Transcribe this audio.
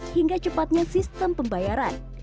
hingga cepatnya sistem pembayaran